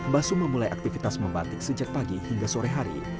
basum memulai aktivitas membatik sejak pagi hingga sore hari